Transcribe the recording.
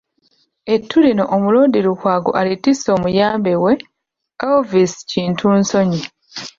Ettu lino Omuloodi Lukwago alitise omuyambi we, Elvis Kintu Nsonyi